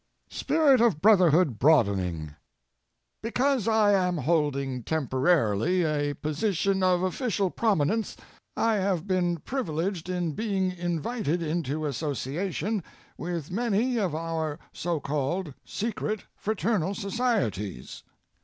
Spirit of Brotlierhood Broadening Because I am holding temporarily a position of official prominence I have been privileged in being invited into association with many of our so called secret, fraternal societies.